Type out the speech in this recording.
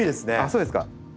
そうですか。